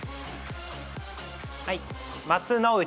はい。